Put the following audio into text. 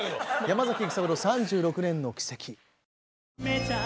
「山崎育三郎３６年の軌跡」。